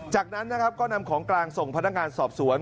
จากนั้นนะครับก็นำของกลางส่งพนักงานสอบสวน